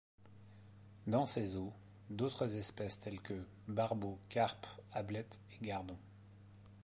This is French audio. Dans ses eaux, d'autres espèces telles que: barbeaux, carpes, ablettes et gardons.